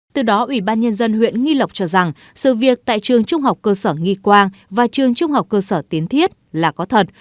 từ đó ủy ban nhân dân huyện nghi lộc cho rằng sự việc tại trường trung học cơ sở nghi quang và trường trung học cơ sở tiến thiết là có thật